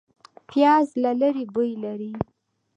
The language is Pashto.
پیاز له لرې بوی لري